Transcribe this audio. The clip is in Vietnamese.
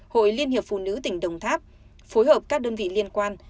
hội liên hiệp phụ nữ tỉnh đồng tháp phối hợp các đơn vị liên quan